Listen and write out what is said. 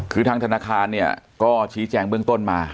คือทางธนาคารเนี่ยก็ชี้แจงเบื้องต้นมา